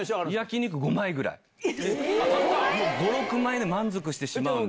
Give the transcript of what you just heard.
５、６枚で満足してしまうんで。